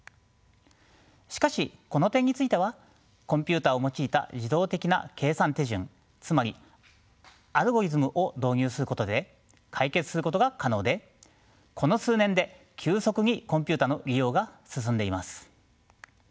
しかしこの点についてはコンピューターを用いた自動的な計算手順つまりアルゴリズムを導入することで解決することが可能でこの数年で急速にコンピューターの利用が進んでいます。